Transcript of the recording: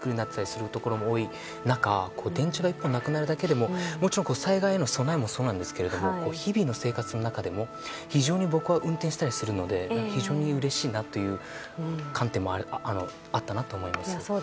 日本の道路ってもともと狭い作りになっていたりするところも多い中電柱が１本なくなるだけでも災害への備えもそうなんですが日々の生活の中でも僕は運転したりするので非常にうれしいなという観点もあったなと思います。